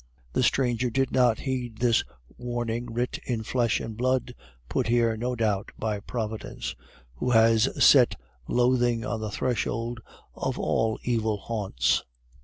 The stranger did not heed this warning writ in flesh and blood, put here, no doubt, by Providence, who has set loathing on the threshold of all evil haunts.